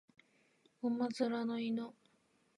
馬面の犬